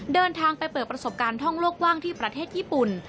เดินทางไปเปิดประสบการณ์ท่องโลกว่างที่ประเทศญี่ปุ่น